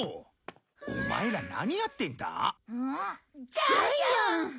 ジャイアン！